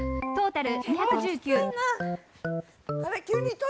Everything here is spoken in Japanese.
「トータル２３６」。